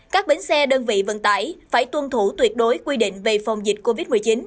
các bến xe đơn vị vận tải phải tuân thủ tuyệt đối quy định về phòng dịch covid một mươi chín